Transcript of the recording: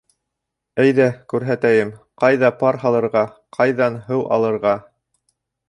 Әйҙә, күрһәтәйем: ҡайҙа пар һалырға, ҡайҙан һыу алырға.